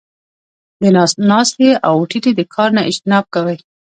د ناستې او د ټيټې د کار نۀ اجتناب کوي -